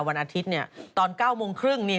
วันอาทิตย์ตอน๙โมงครึ่ง